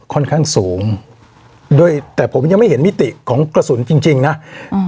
ค่อนข้างสูงด้วยแต่ผมยังไม่เห็นมิติของกระสุนจริงจริงนะอืม